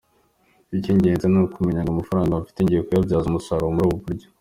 Icy’ingenzi ni ukumenya ngo amafaranga mfite ngiye kuyabyaza umusaruro muri ubu buryo.